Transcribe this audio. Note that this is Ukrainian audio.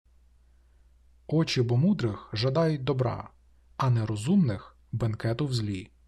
Очі-бо мудрих жадають добра, а нерозумних – бенкету в злі.